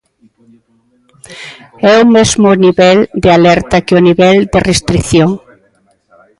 É o mesmo o nivel de alerta que o nivel de restrición?